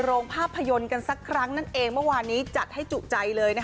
โรงภาพยนตร์กันสักครั้งนั่นเองเมื่อวานนี้จัดให้จุใจเลยนะคะ